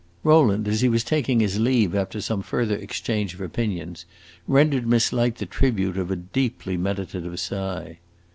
'" Rowland, as he was taking his leave, after some further exchange of opinions, rendered Miss Light the tribute of a deeply meditative sigh.